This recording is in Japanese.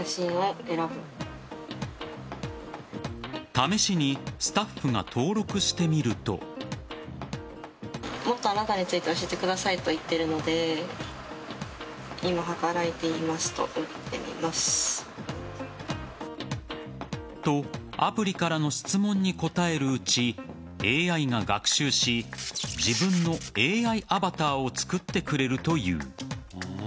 試しにスタッフが登録してみると。とアプリからの質問に答えるうちＡＩが学習し自分のＡＩアバターを作ってくれるという。